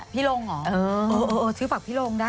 พี่โรงหรอเออเออเออเออชื่อฝากพี่โรงได้